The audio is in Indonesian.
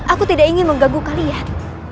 aku tidak ingin menggaguh kalian